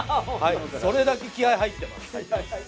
それだけ気合い入ってます。